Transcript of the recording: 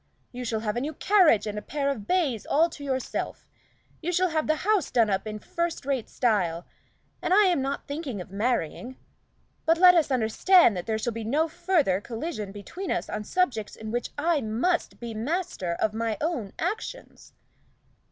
You shall have a new carriage and a pair of bays all to yourself; you shall have the house done up in first rate style, and I am not thinking of marrying. But let us understand that there shall be no further collision between us on subjects on which I must be master of my own actions."